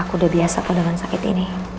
aku udah biasa kok dengan sakit ini